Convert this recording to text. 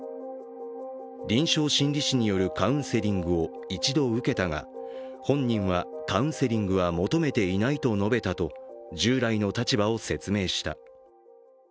臨床心理士によるカウンセリングを一度受けたが、本人はカウンセリングは求めていないと述べたと従来の立場を説明した。